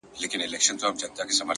• جنت ځای وي د هغو چي کوي صبر ,